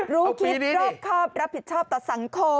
รู้คิดรอบครอบรับผิดชอบต่อสังคม